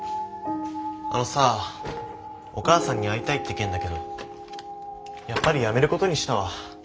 あのさお母さんに会いたいって件だけどやっぱりやめることにしたわ。